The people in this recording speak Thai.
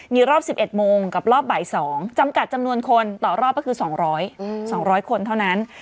มีรอบ๑๑โมงกับรอบบ่าย๒จำกัดจำนวนคนต่อรอบก็คือ๒๐๐๒๐๐คนเท่านั้น